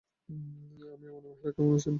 আমি আমান মেহরা কেমন আছেন?